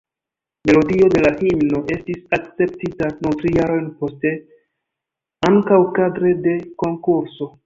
Melodio de la himno estis akceptita nur tri jarojn poste, ankaŭ kadre de konkurso.